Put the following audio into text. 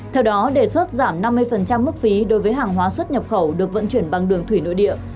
theo đó đề xuất giảm năm mươi mức phí đối với hàng hóa xuất nhập khẩu được vận chuyển bằng đường thủy nội địa